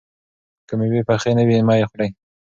که مېوې پخې نه وي، مه یې خورئ.